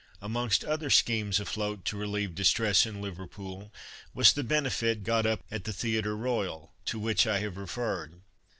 Amongst other schemes afloat to relieve distress in Liverpool was the benefit got up at the Theatre Royal, to which I have referred.